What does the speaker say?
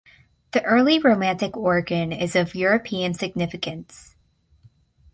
The early romantic organ is of European significance.